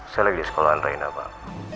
saya lagi di sekolah andrina pak